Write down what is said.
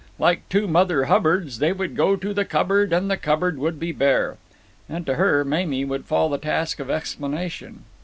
Like two Mother Hubbards, they would go to the cupboard, and the cupboard would be bare. And to her, Mamie, would fall the task of explanation.